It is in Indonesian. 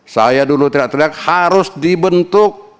saya dulu tidak teriak harus dibentuk